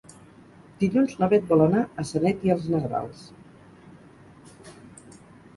Dilluns na Beth vol anar a Sanet i els Negrals.